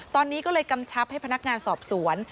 ตอนนี้ก็เลยกำชับให้พนักงานสอบสวน